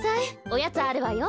おやつあるわよ。